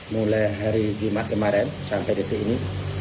mulai hari jumat kemarin sampai detik ini